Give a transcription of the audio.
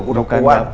gue udah puan